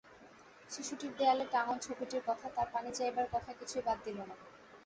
শিশুটির দেয়ালে টাঙন ছবিটির কথা, তার পানি চাইবার কথা-কিছুই বাদ দিল না!